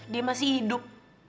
dia masih hidup